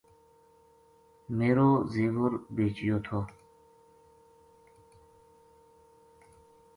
میرو زیور بیچیو تھو